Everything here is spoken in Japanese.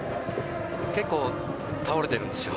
結構倒れてるんですよ。